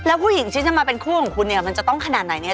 แล้วผู้หญิงที่จะมาเป็นคู่ของคุณเนี่ยมันจะต้องขนาดไหนเนี่ย